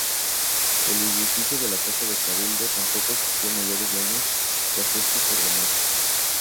El edificio de la Casa de Cabildo tampoco sufrió mayores daños tras este terremoto.